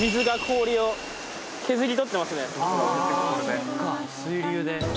ああそっか水流で。